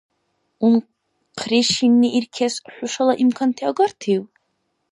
Унхъри шинни иркес хӀушала имканти агартив?